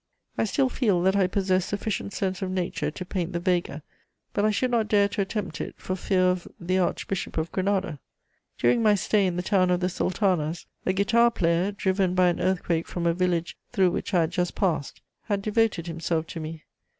I still feel that I possess sufficient sense of nature to paint the Vega; but I should not dare to attempt it, for fear of "the Archbishop of Granada." During my stay in the town of the sultanas, a guitar player, driven by an earthquake from a village through which I had just passed, had devoted himself to me.